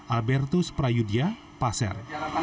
albertus prayudya pasar